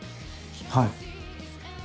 はい。